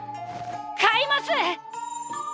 買います！